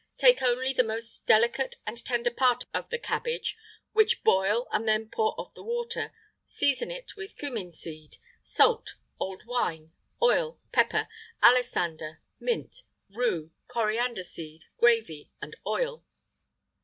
Take only the most delicate and tender part of the cabbage, which boil, and then pour off the water; season it with cummin seed,[IX 19] salt, old wine, oil, pepper, alisander, mint, rue, coriander seed, gravy, and oil.